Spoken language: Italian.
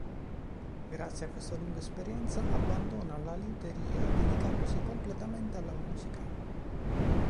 Grazie a questa lunga esperienza, abbandona la liuteria dedicandosi completamente alla musica.